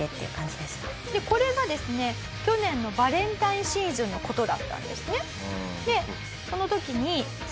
でこれがですね去年のバレンタインシーズンの事だったんですね。